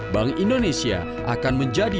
bank indonesia akan menjadi